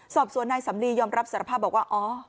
สอบส่วนในสำลียอมรับสารภาพบอกว่า